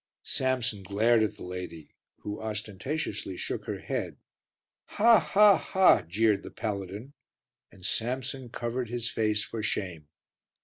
Samson glared at the lady who ostentatiously shook her head. "Ha, ha, ha!" jeered the paladin, and Samson covered his face for shame.